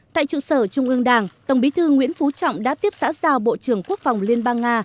tại trụ sở trung ương đảng tổng bí thư nguyễn phú trọng đã tiếp xã giao bộ trưởng quốc phòng liên bang nga